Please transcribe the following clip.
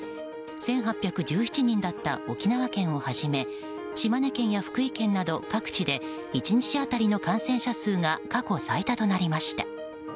１８１７人だった沖縄県をはじめ島根県や福井県など各地で１日当たりの感染者数が過去最多となりました。